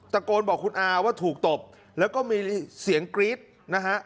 ตะโกนบอกคุณอาว่าถูกตบแล้วก็มีเสียงกรี๊ดนะฮะ